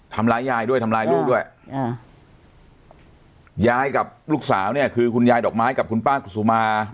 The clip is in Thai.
ทำร้ายยายด้วยทำร้ายลูกด้วยอ่ายายกับลูกสาวเนี่ยคือคุณยายดอกไม้กับคุณป้ากุศุมา